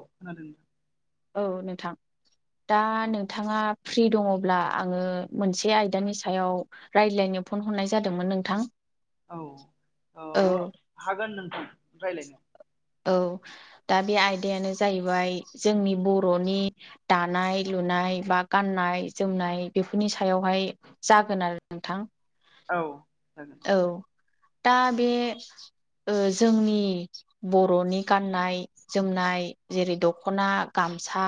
खोनादोंना? औ नोंथां। दा नोंथाङा फ्रि दङब्ला आङो मोनसे आयदानि सायाव रायलायनो फन हरनाय जादोंमोन नोंथां। औ औ हागोन नोंथां रायलायनो। औ दा बे आयदायानो जाहैबाय जोंनि बर'नि दानाय लु लुनाय बा गाननाय जोमनाय बेफोरनि सायावहाय जागोन आरो नोंथां। औ। जागोन औ दा बे ओ जोंनि बर'नि गाननाय जोमनाय जेरै दख'ना, गाम सा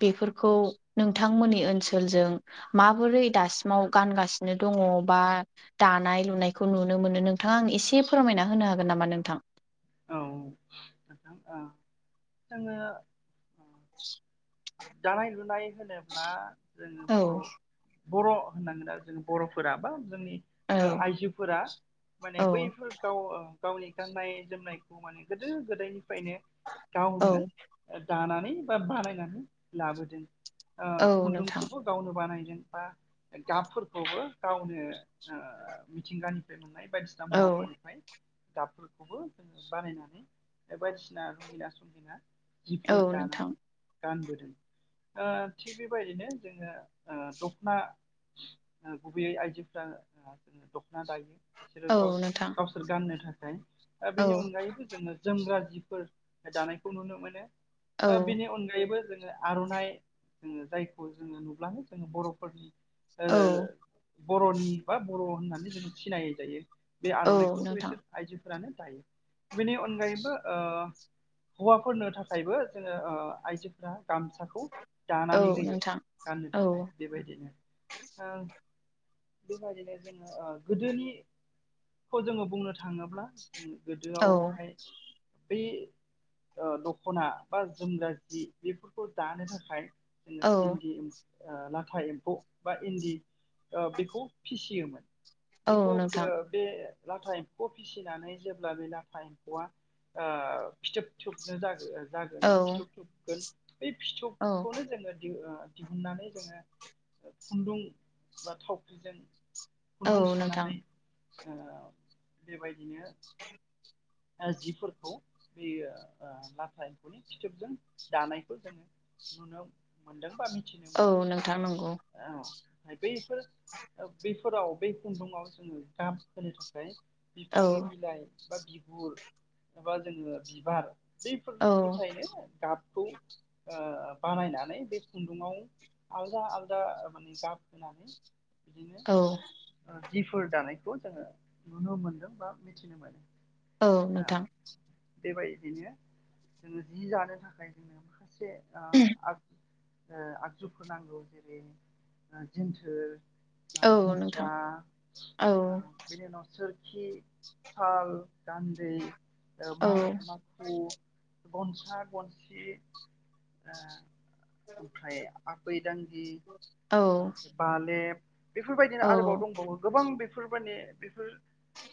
बेफोरखौ नोंथांमोननि ओनसोलजों माबोरै दासिमाव गा गानगासिनो दङ बा दानाय लुनायखौ नुनो मोनो नोंथांआ आंनो एसे फोरमायना होनो हागोन नामा नोंथां? औ नोंथां ओ जोङो [inaudible] दानाय लुनाय होनोब्ला जोङो औ बर' बर' होननांगोन आरो जों बर'फोरा बा जोंनि ओ औ आइजोफोरा माने औ बैफोर गाव ओ गावनि गाननाय जोमनायखौ माने गोदो गोदायनिफ्रायनो औ गावनो ओ दाना नै बा बानायनानै लाबोदों। ओ औ नोंथां खुन्दुंखौबो गावनो बानायदों। बा गाबफोरखौबो गावनो ओ मिथिंगानिफ्राय मोननाय बायदिसिना औ मुवाफोरनिफाय गाबफोरखौबो जोङो बानायनानै ए बायदिसिना रंगिना संगिना औ जिफोर नोंथां दानानै गानबो दों। ओ थिग बेबायदिनो जोङो ओ दखना। ओ गुबैयै आइजोफोरा दखना दायो। बिसोरो औ गाव नोंथां गावसोर गाननो थाखाय। ओ औ बेनि अनगायैबो जोङो जोमग्रा जि फोर दानायखौ नुनो मोनो। औ ओ बिनि औ अनगायैबो जोङो आर'नाइ, जोङो जायखौ जोङो नुब्लानो जोङो बर'फोरनि ओ बर'नि बा बर' होननानै जोङो सिनाय जायो। बे औ आर'नाइखौ नोंथां बेसोर आइजोफोरानो दायो। बेनि अनगायैबो ओ हौवाफोरनो थाखायबो जोङो ओ आइजो फ्रा गामसाखौ औ दानानै होयो नोंथां गाननो औ थाखाय बेबायदिनो। ओं। बेबादिनो जोङो ओ गोदोनिखौ जोङो बुंनो थाङोब्ला जों औ गोदोआवहाय बि ओ दख'ना बा जोमग्रा जि बेफोरखौ दानो थाखाय जोङो औ इन्दि ओ लाथा एम्फौ बा इन्दि ओ बेखौ फिसियोमोन औ बेखौ नोंथां ओ बे लाथा एम्फौ फिसिनानै जेब्ला बे लाथा एम्फौआ ओ फिथोब थोबनो जाहो जागोन बा औ फिथोब थोबगोन बे औ फिथोबखौनो जोंङो [unintelligible] दिहुननानै जोंङो खुन्दुं बा थावख्रिजों औ खुन्दुं नोंथां सानानै ओ बेबायदिनो ओ जिफोरखौ बोयो ओ लाथा एम्फौनि फिथोबजों दानायखौ जोंङो नुनो मोनदों बा मिथि औ नोंथां नंगौ बैफोर बैफोराव बै खुन्दुंङाव जोंङो गाब होनो थाखाय औ बिफांनि बिलाइ बा बिगुर एबा जोंङो बिबार बैफोरनिफ्रायनो गाब स ओ बानायनानै बे खुन्दुंङाव आलदा आलदा माने गाब होनानै बिदिनो औ ओ जिफोर दानायखौ जोंङो नुनो मोनदों बा मिथिनो मोनो। औ ओ नोंथां बेबायदिनो जोंङो जि दानो थाखाय से आगजुफोर नांगौ जेरै जेन्थोर ओ औ नोंथां मुस्रा औ ओ बिनि उनाव सो हि साल गान्दै ओ औ मा-माखु गनसा गनसि ओ ओमफ्राय आबै दानदि औ ओमफ्राय बालेब औ बेफोरबायदिनो आरोबाव दंबावो गोबां बे बेफोर माने बेफोर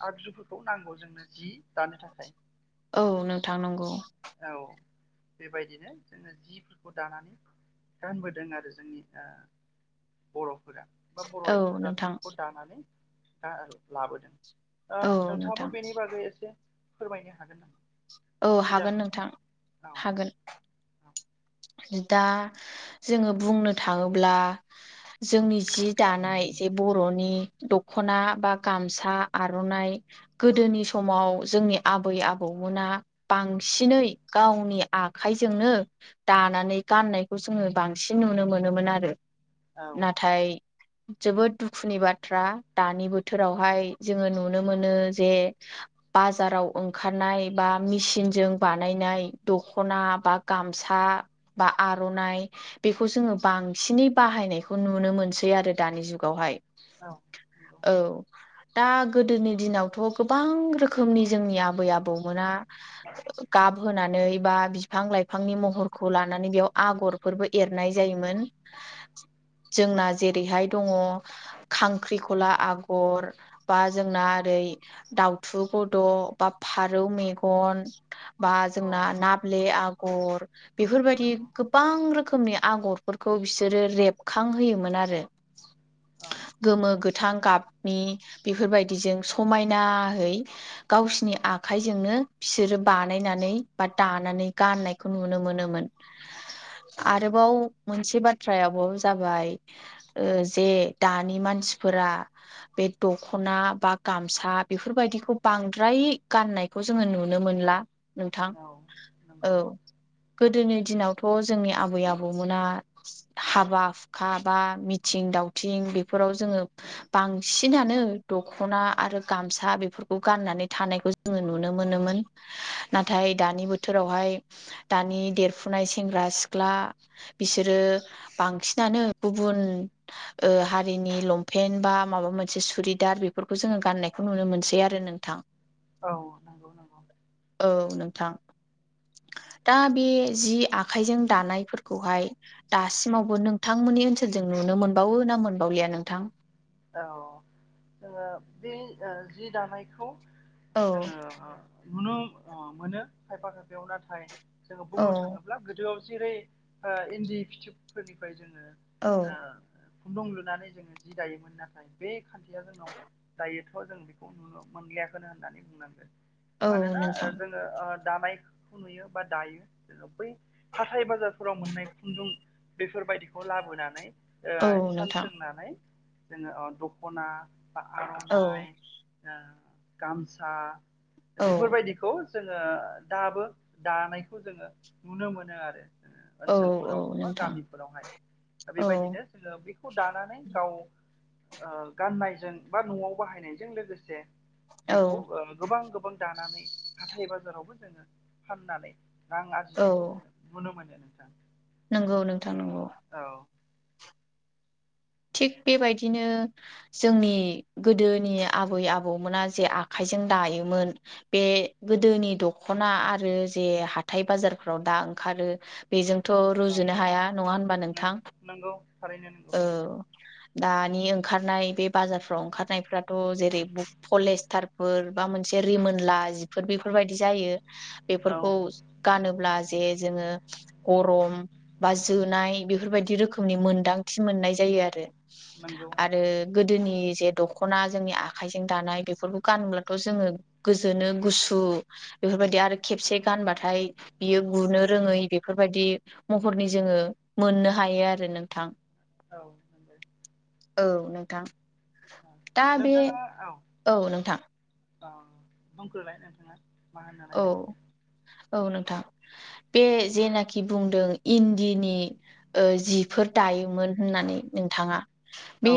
आगजुफोरखौ नांगौ जोंनो जि दानो थाखाय। औ नोंथां‌ नंगौ औ बेबायदिनो जोंङो जिफोरखौ दानानै गाननबोदों आरो जोंनि ओ [inaudible] फोरा बा बर' औ आइजोफोरा नोंथां बेफोरखौ दानानै ला-लाबोदों औ ओ नोंथां नोंथांङाबो बेनि बागै एसे फोरमायनो हागोन नामा? औ जि हागोन दानायनि नोंथां बागै औ हागोन दा जोंंङो बुंनो थांङोब्ला जोंनि जि दानाय जे बर'नि दख'ना बा गामसा आर'नाइ गोदोनि समाव जोंनि आबै आबौमोना औ बांसिनै गावनि आखाइजोंनो दानानै गाननायखौ जोंङो बांसिन नुनो मोनोमोन आरो। औ नाथाय जोबोद दुखुनि बाथ्रा दानि बोथोरावहाय जोंङो नुनो मोनो जे बाजाराव ओंखारनाय बा मिसिनजों बानायनाय दख'ना बा गामसा बा आर'नाइ बेखौ जोंङो बांसिनै बाहायनायखौ नुनो मोनसै आरो दानि जुगावहाय औ नंगौ औ दा गोदोनि दिनावथ' गोबां रोखोमनि जोंनि आबै आबौमोना गाब होनानै बा बिफां लाइफांनि महरखौ लानानै बेयाव आगरफोरबो एरनाय जायोमोन मोन जोंना जेरैहाय दंङ खांख्रिखला आगर बा जोंना आरो रै दाउथु गद' बा फारौ मेग गन बा औ जोंना नाब्ले आ आगर बेफोरबायदि नंगौ गोबां रोखोमनि आगरफोरखौ बिसोरो रेबखांहोयोमोन आरो औ गोमो गो गोथां गाबनि बेफोरबायदिजों समायनाहै गावसिनि आखाइजोंनो बिसोरो बानायनानै बा दानानै गाननायखौ नुनो मोनोमोन आरोबाव मोनसे बाथ्राया बावनो जाबाय जे दानि मानसिफोर रा बे दखना बा गामसा बेफोरबायदिखौ बांद्राय गाननायखौ जोङो नु नुनो मोनला नोंथां औ औ नंगौ गोदोनि दिनावथ' जोंनि आबै आबौमोना हाबा हुखा बा मिथिं दा दावथिं बेफोराव जोङो बांसिनानो दखना आरो गामसा बेफोरखौ गान फनानै थानायखौ जोङो नुनो मोनोमोन नाथाय दानि बोथोरावहाय दानि देरफुनाय सेंग्रा सिख्ला बिसोरो बांसिनानो गुबुन ओ हारिनि लंपेन्ट बा माबा मोनसे सुट दा बेफोरखौ जोङो गान्नायखौ नुनो मोनसै आरो नोंथां औ नंगौ नंगौ औ नोंथां दा बे जि आखाइजों दानायफोरखौहाय दासिमावबो नोंथांमोननि ओनसोलजोंनो नो मोनबावो ना मोनबावलिया नोंथां औ ओ बे ओ जि दानायखौ औ जोङो नुनो मोनो खायफा खायफायाव नाथाय जोङो औ बुंनो थाङोब्ला गोदोआव जेरै इन्दि फिथिबफोरनिफ्राय जों औ ओ खुन्दुं लुनानै जोङो जि दायोमोन नाथाय बे खान्थिया जोंनाव दायोथ जों बेखौ नुनो मोनलयाखैनो होननानै बुंनांगोन औ मानोना ओ नोंथां जोङो ओ दानायखौ नुयो बा दायो बै हाथाय बाजारफोराव मोननाय खुन्दुं बेफोरबायदिखौ लाबोनानै ओ औ नोंथां सानसोंनानै जोङो दखना बा औ आरनाइ ओ गामसा औ बेफोरबायदिखौ जोङो दाबो दानायखौ जोङो नुनो मोनो आरो औ औ ओनसोलफोराव बा नोंथां गामिफोरावहाय औ बेबायदिनो जोङो बेखौ दानानै गाव ओ गाननायजों बा नआव बाहायनायजों लोगोसे बेखौ औ ओ गोबां गोबां दानानै हाथाय बाजारावबो जोङो फाननानै रां आरजिनायखौ औ जोङो नुनो मोनो नोंथां नंगौ नोंथां नंगौ औ थिग बेबायदिनो जोंनि गोदोनि आबै आबौमोना जे आखाइजों दायोमोन बे गोदोनि दखना आरो जे हाथाय बाजारफोराव दा ओंखारो बेजोंथ औ रुजुनो हाया नङा होनबा नोंथां नंगौ थारैनो नांगौ औ दानि ओंखारनाय बे बाजारफ्राव ओंखारनायफ्राथ जेरै पलेस्टारफोर बा मोनसे ज रिमोनला जिफोर बेफोरबायदि जायो औ बेफोरखौ गानोब्ला जे जोङो गरम बा जोनाय बेफोरबायदि रोखोमनि मोनदांथि मोननाय जायो आरो नंगौ आरो गोदोनि जे दखना जोंनि आखायजों दानाय बेफोरखौ गानोब्लाथ जोङो गोजोनो गुसु बेफोर बेफोरबायदि आरो खेबसे गानबाथाय बियो गुनो रोङै बेफोरबायदि महरनि जोङो मोननो हायो आरो नोंथां औे औ नोंथां दा बे औ नोंथां [unintelligible] होननो औ नागिरदोंमोन? औ नोंथां बे जेनाखि बुंदों इन्दिनि ओ जिफोर दायोमोन होननानै नोंथाङा बे औ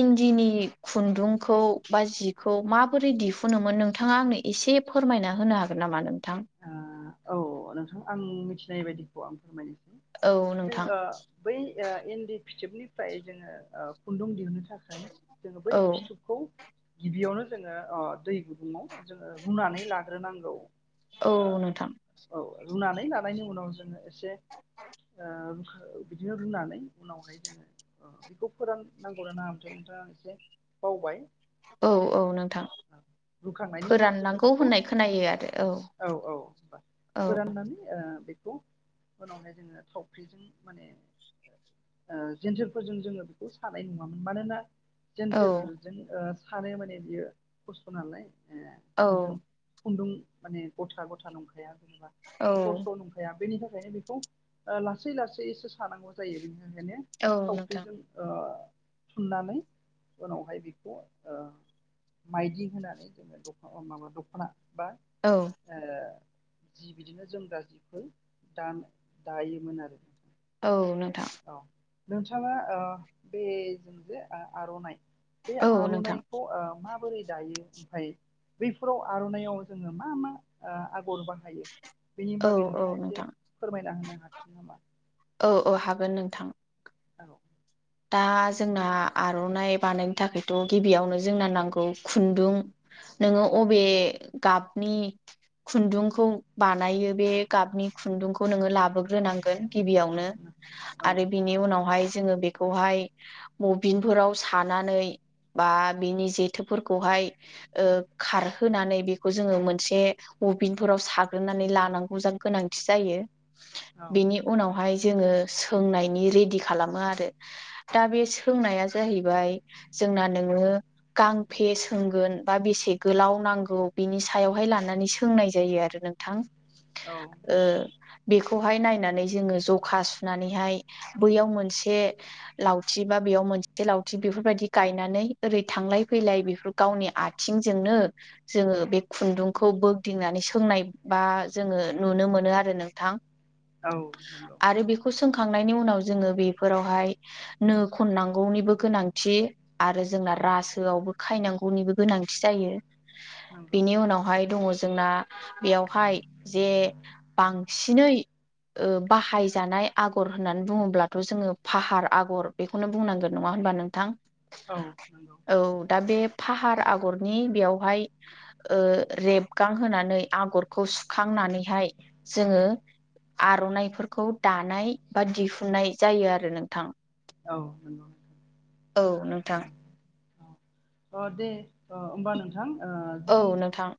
इन्दिनि खुन्दुंखौ बा जिखौ माबोरै दिहुनोमोन नोंथाङा आंनो एसे फोरमायना होनो हागोन नामा नोंथां? औ नोंथां आं मिथिनाय बायदिखौ आं औ फोरमायनो नोंथां ओ बै ओ इन्दि फिथोबनिफ्राय जोङो ओ खुन्दुं दिहुननो थाखाय जोङो बै औ फिथोबखौ गिबियावनो जोङो दै गुदुंङाव जोङो रुनानै लाग्रोनांगौ। ओ औ नोंथां। औ रुनानै लानायनि उनाव जोङो एसे ओ बिदिनो रुनानै उनावहाय जोङो अ' बेखौ फोराननांगौ नाङा ओमफ्राय दा एसे बावबाय। औ औ नोंथां रुखांनायनि उनाव जोङो फोराननांगौ बेखौ होननाय खोनायो आरो औ। औ औ [unintelligible] औ फोराननानै ओ बेखौ उनावहाय जोङो थावफख्रिजों माने ओ जेन्थेरफोरजों जोङो बेखौ सानाय नुवामोन मानोना जेन्थेरजों ओ सानो माने बियो खस्थ' नालाय ओ औ। थोंजों खुन्दुं माने ग'था ग'था नंखाया जेनेबा औ स्र' स्र' नंखाया बेनि थाखाय [unintelligible] बेखौ लासै -लासैसो सानांगौ जायो बेनिनो माने औ नोंथां थावख्रिजों ओ थुननानै उनावहाय बेखौ ओ मायदि होनानै जोङो दख' माबा दख'ना बा औ। ओ जि बिदिनो जोमग्रा जिखौ दा -दायोमोन आरो। औ नोंथां। औ नोंथाङा ओ बेजों जे ओ आर'नाइ बे औ नोंथां आर'नाइखौ ओ मा माबोरै दायो ओमफ्राय बैफोराव आर'नायइाव जोङो मा मा ओ आगर बाहायो? बेनि औ बागै औ नोंथाङा एसे नोंथां फोरमायना होनो हागोन नामा? औ औ [unintelligible] औ। दा जोंना आर'नाइ बानायनो थाखायथ' गिबियावनो जोंना नांगौ खुन्दुं। नोङो अबे गाबनि खुन्दुंखौ बानायो बे गाबनि खुन्दुंखौ नोङो लाबोग्रोनांगोन। गिबियावनो आरो बिनि उनावहाय जोङो बे मबिनफोराव सानानै बा बिनि जेथोफोरखौहाय ओ खारहोनानै बेखौ जोङो मोनसे अभिनफोराव साग्रोनानै लानांगौ गोनांथि जायो। बेनि उनावहाय जोङो सोंनायनि रेडि खालामो आरो। दा बे सोंनाया जाहैबाय जोंना नोङो गांफे सोंगोन बा बेसे गोलाव नांगौ बिनि सायावहाय लानानै सोंनाय जायो आरो। नोंथां औ ओ बेखौहाय नायनानै जोङो ज'खा सुनानैहाय बैयाव मोनसे लावथि बा बेयाव मोनसे लावथि बेफोरबायदि गायनानै ओरै थांलाय -फैलाय बेफोर गावनि आथिंजोंनो जोङो बे खुन्दुंखौ बोग्दिंनानै सोंनाय बा जोङो नुनो नुनो मोनो आरो नोंथां औ नंगौ आरो बेखौ सोंखांनायनि उनाव जोङो बेफोरावहाय नो खननांगौनिबो गोनांथि आरो जोंना औ रासोआवबो खायनांगौनिबो गोनांथि जायो। नंगौ बिनि उनावहाय दङ जोंना बेयावहाय जे बांसिनै ओ बाहायजानाय आगर होननानै बुङोब्लाथ' जोङो फाहार आगर बेखौनो बुंनांगोन नङा होनबा नोंथां औ नंगौ औ दा बे फाहार आगरनि बेयावहाय ओ रेबगां होनानै आगरखौ सुखां नानैहाय जोङो आर'नाइफोरखौ दानाय बा दिहुननाय जायो आरो नोंथां। औ नंगौ औ नोंथां औ अ' दे अ' होमबा नोंथां औ नोंथां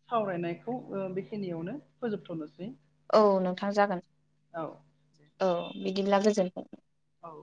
खौ बेखिनियावनो फोजोबथनोसै। औ नोंथां जागोन औ दे औ बिदिब्ला गोजोनथों। औ